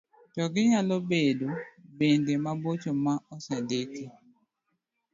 to ginyalo bedo bende mabocho ma osendiki.